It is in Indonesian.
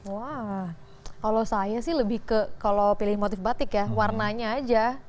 wah kalau saya sih lebih ke kalau pilih motif batik ya warnanya aja